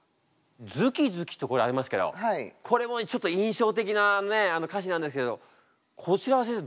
「ＺＵＫＩ−ＺＵＫＩ」とありますけどこれもちょっと印象的なね歌詞なんですけどこちらは先生